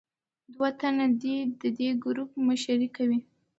دوه تنه د دې ګروپ مشري کوي.